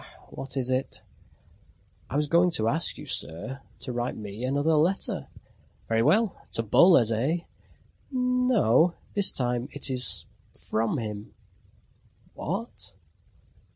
What is it?" "I was going to ask you, sir, to write me another letter." "Very well! To Boles, eh?" "No, this time it is from him." "Wha at?"